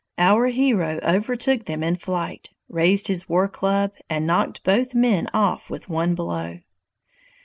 Our hero overtook them in flight, raised his war club, and knocked both men off with one blow.